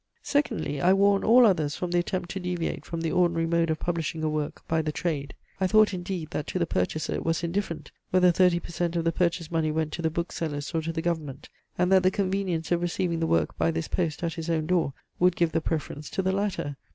Secondly, I warn all others from the attempt to deviate from the ordinary mode of publishing a work by the trade. I thought indeed, that to the purchaser it was indifferent, whether thirty per cent of the purchase money went to the booksellers or to the government; and that the convenience of receiving the work by the post at his own door would give the preference to the latter.